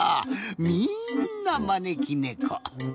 みんなまねき猫。